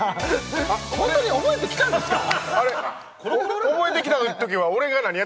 ホントに覚えてきたんですか？